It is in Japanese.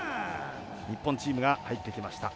日本チームが入ってきました。